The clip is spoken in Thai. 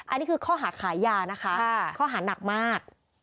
อันนี้คือข้อหาขายยานะคะข้อหานักมาก